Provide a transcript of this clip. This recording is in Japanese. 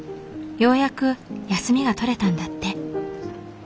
ようやく休みが取れたんだって。